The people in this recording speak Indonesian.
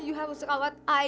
iu harus rawat i